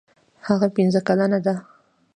هغه پنځه کلنه ده.